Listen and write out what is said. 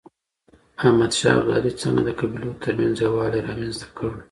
احمد شاه ابدالي څنګه د قبيلو ترمنځ يووالی رامنځته کړ؟